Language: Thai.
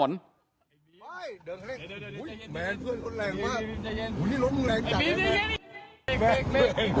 อุ้ยแมนเพื่อนคนแรงมากอุ๊ยรถมัวแรงตายเย็น